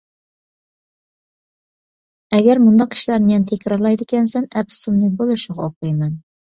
ئەگەر مۇنداق ئىشلارنى يەنە تەكرارلايدىكەنسەن، ئەپسۇننى بولۇشىغا ئوقۇيمەن!